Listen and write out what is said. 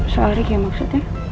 soal riki maksudnya